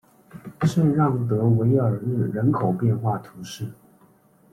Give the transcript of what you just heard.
圣让德韦尔日人口变化图示